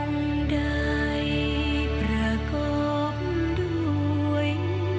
องค์ใดประกอบด้วย